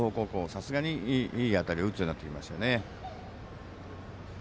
さすがに、いい当たりを打つようになってきましたね。